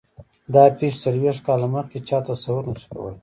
دا پېښې څلوېښت کاله مخکې چا تصور نه شو کولای.